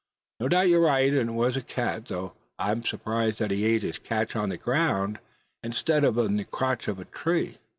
No doubt you're right, and it was a cat; though I'm surprised that he ate his catch on the ground, instead of in the crotch of a tree."